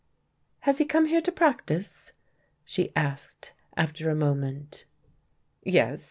"Has he come here to practice?" she asked, after a moment. "Yes.